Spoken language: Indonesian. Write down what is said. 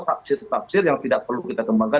tafsir tapsir yang tidak perlu kita tembakan